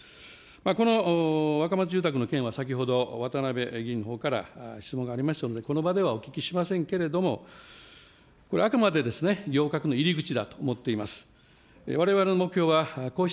このわかまつ住宅の件は、渡辺議員のほうから質問がありましたので、この場ではお聞きしませんけれども、これ、あくまで行革の入り口だと思っております。